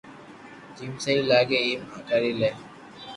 جيم سھي لاگي ايم ليکي لي